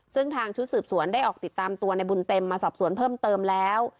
ซึ่งทางชุดสืบสวนได้ออกติดตามตัวในบุญเต็มมาสอบสวนเพิ่มเติมแล้ว